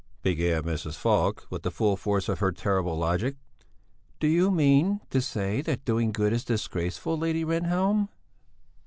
began Mrs. Falk, with the full force of her terrible logic, "do you mean to say that doing good is disgraceful, Lady Rehnhjelm?"